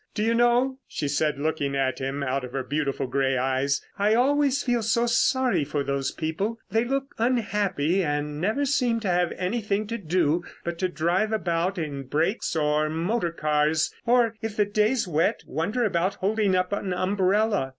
Do you know," she said, looking at him out of her beautiful grey eyes, "I always feel so sorry for those people; they look unhappy and never seem to have anything to do but to drive about in brakes or motor cars, or, if the day's wet, wander about holding up an umbrella.